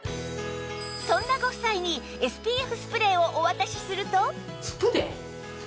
そんなご夫妻に ＳＰＦ スプレーをお渡しすると